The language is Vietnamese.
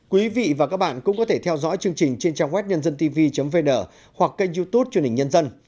quý vị và các bạn cũng có thể theo dõi chương trình trên trang web nhân dân tv vn hoặc kênh youtube chương trình nhân dân